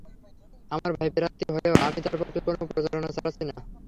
আমার ভাই প্রার্থী হলেও আমি তাঁর পক্ষে কোনো প্রচারণা চালাচ্ছি না।